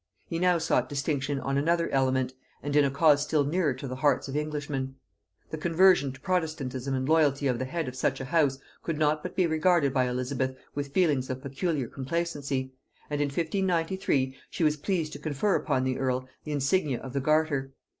He now sought distinction on another element, and in a cause still nearer to the hearts of Englishmen. The conversion to protestantism and loyalty of the head of such a house could not but be regarded by Elizabeth with feelings of peculiar complacency, and in 1593 she was pleased to confer upon the earl the insignia of the garter.